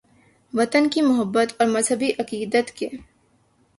، وطن کی محبت اور مذہبی عقیدت کے